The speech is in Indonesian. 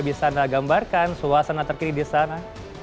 bisa anda gambarkan suasana terkini di sana